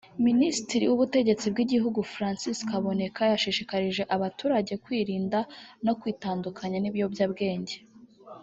Minisitiri w’Ubutegetsi bw’Igihugu Francis Kaboneka yashishikarije abaturage kwirinda no kwitandukanya n’ibiyobyabwenge